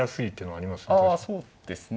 あそうですね